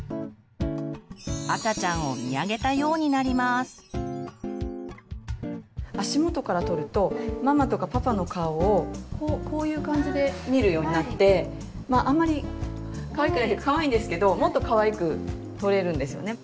赤ちゃんを足元から撮るとママとかパパの顔をこういう感じで見るようになってまああんまりかわいくないというかかわいいんですけどもっとかわいく撮れるんですよね。